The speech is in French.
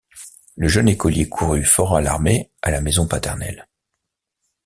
Le jeune écolier courut fort alarmé à la maison paternelle.